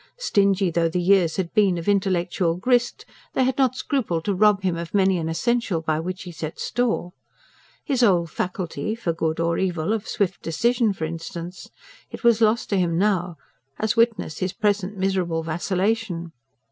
Stingy though the years had been of intellectual grist, they had not scrupled to rob him of many an essential by which he set store. His old faculty for good or evil of swift decision, for instance. It was lost to him now; as witness his present miserable vacillation.